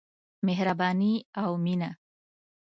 مهرباني او مينه.